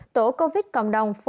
tổ covid cộng đồng